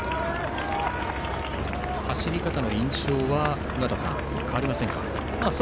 走り方の印象は尾方さん、変わりませんか？